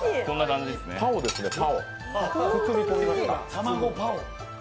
卵パオ。